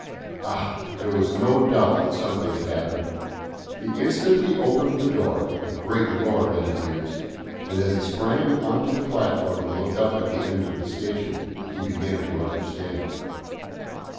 Ah! there was no doubt that something had happened! The instant he opened the door a great roar met his ears, and as he sprang on to the platform and looked up at the end of the station, he began to understand.